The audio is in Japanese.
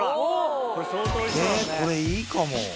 えこれいいかも。